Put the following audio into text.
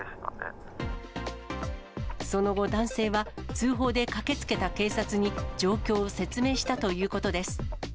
その後、男性は通報で駆けつけた警察に状況を説明したということです。